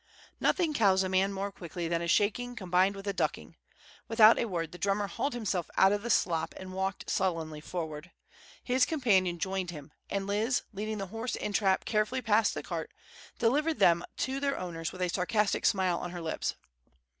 Nothing cows a man more quickly than a shaking combined with a ducking. Without a word the drummer hauled himself out of the slop and walked sullenly forward. His companion joined him; and Liz, leading the horse and trap carefully past the cart, delivered them up to their owners with a sarcastic smile on her lips.